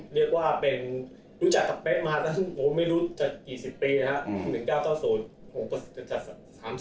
เรียกว่าเป็นรู้จักกับเป๊ะมาตั้งไม่รู้จักกี่สิบปีนะครับ